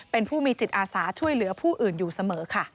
เป็นผู้มีจิตอาสาช่วยเหลือผู้อื่นอยู่เสมอค่ะ